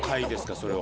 それは。